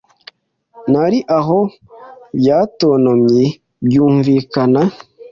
Nari aho byatontomye byumvikana